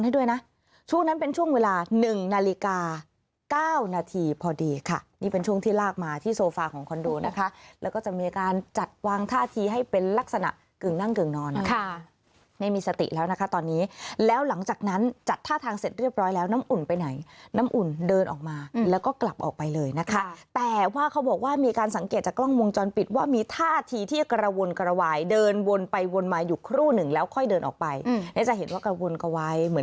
ดูนะคะแล้วก็จะมีการจัดวางท่าทีให้เป็นลักษณะเกิงนั่งเกิงนอนนะคะไม่มีสติแล้วนะคะตอนนี้แล้วหลังจากนั้นจัดท่าทางเสร็จเรียบร้อยแล้วน้ำอุ่นไปไหนน้ำอุ่นเดินออกมาแล้วก็กลับออกไปเลยนะคะแต่ว่าเขาบอกว่ามีการสังเกตจากกล้องมงจรปิดว่ามีท่าทีที่กระวนกระวายเดินวนไปวนมาอยู่ครู่หนึ่งแล้วค่อยเดินออกไปจะเห็นว่